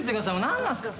何なんすか？